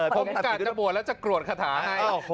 ผมกะจะบวชแล้วจะกรวดคาถาให้